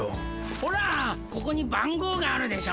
ほらここに番号があるでしょ。